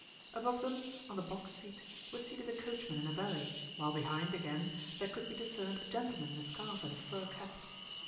Above them, on the box seat, were seated a coachman and a valet, while behind, again, there could be discerned a gentleman in a scarf and a fur cap.